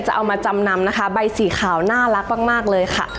เอามาจำนำนะคะใบสีขาวน่ารักมากเลยค่ะ